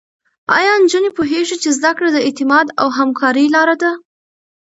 ایا نجونې پوهېږي چې زده کړه د اعتماد او همکارۍ لاره ده؟